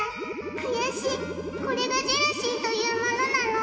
悔しい、これがジェラシーというものなの？